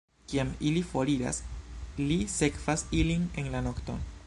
Kiam ili foriras, li sekvas ilin en la nokto.